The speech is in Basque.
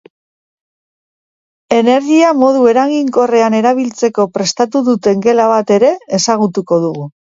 Energia modu eraginkorrean erabiltzeko prestatu duten gela bat ere ezagutuko dugu.